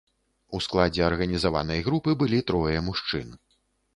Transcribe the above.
У складзе арганізаванай групы былі трое мужчын.